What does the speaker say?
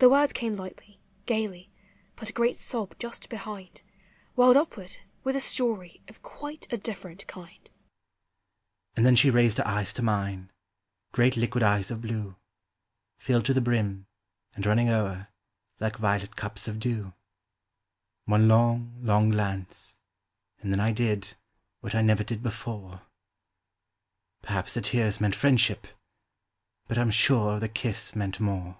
The words came lightly, gayly, but a great sob, just behind. Welled upward with a story of quite a ditTerent kind. And tlien she raised her eyes to mine, — great liquid eyes of blue, Filled to the brim, and running o'er, like violet cups of dew ; One long, long glance, and then I did, what I never did before— PerhapR the tears meant friendship, but I 'm sure the kiss meant more.